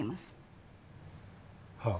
はあ。